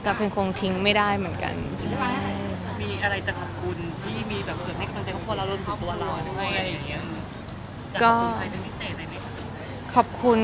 เราจบแล้วอนุญาตื่นมีแฟร์ด่ายมั้ยคะ